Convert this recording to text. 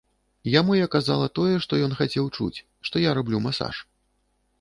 Яму я казала тое, што ён хацеў чуць, што я раблю масаж.